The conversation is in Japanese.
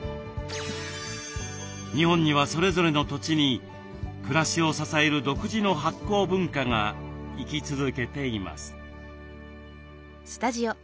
日本にはそれぞれの土地に暮らしを支える独自の発酵文化が生き続けています。